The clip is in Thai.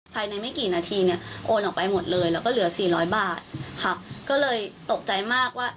ไม่กี่นาทีเนี่ยโอนออกไปหมดเลยแล้วก็เหลือสี่ร้อยบาทค่ะก็เลยตกใจมากว่า